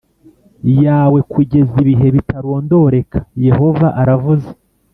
Yawe Kugeza Ibihe Bitarondoreka Yehova Aravuze